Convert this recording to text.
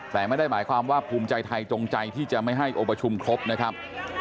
แต่ไม่ได้หมายความว่าภูมิใจไทยจงใจที่จะไม่ให้องค์ประชุมครบนะครับ